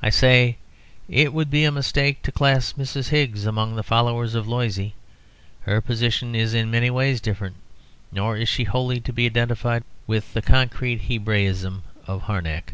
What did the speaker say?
I say "It would be a mistake to class Mrs. Higgs among the followers of Loisy; her position is in many ways different; nor is she wholly to be identified with the concrete Hebraism of Harnack."